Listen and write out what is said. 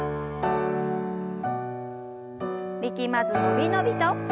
力まず伸び伸びと。